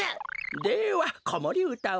ではこもりうたを。